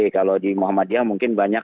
kalau di muhammadiyah mungkin banyak